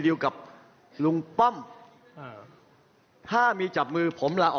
เดี๋ยวไม่ได้จบเดี๋ยวฟัง